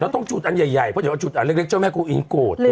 เราต้องจุดอันใหญ่ใหญ่เพราะเดี๋ยวเราจุดอันเล็กเล็กเจ้าแม่กุฏอิมโกรธเธอ